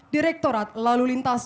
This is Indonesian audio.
direktorat lalu lintas